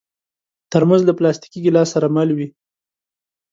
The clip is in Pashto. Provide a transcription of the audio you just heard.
ترموز له پلاستيکي ګیلاس سره مل وي.